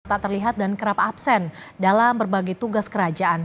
tak terlihat dan kerap absen dalam berbagai tugas kerajaan